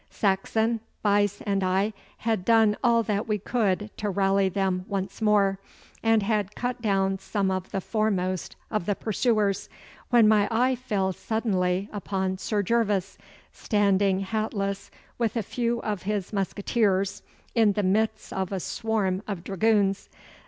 Saxon, Buyse, and I had done all that we could to rally them once more, and had cut down some of the foremost of the pursuers, when my eye fell suddenly upon Sir Gervas, standing hatless with a few of his musqueteers in the midst of a swarm of dragoons.